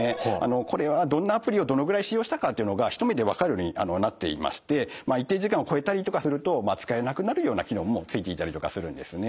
これはどんなアプリをどのぐらい使用したかっていうのが一目で分かるようになっていまして一定時間を超えたりとかすると使えなくなるような機能もついていたりとかするんですね。